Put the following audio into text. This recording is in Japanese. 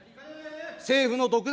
政府の独断